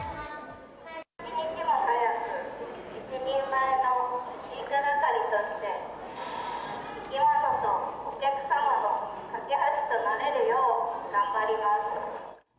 一日も早く一人前の飼育係として、生き物とお客様の架け橋となれるよう頑張ります。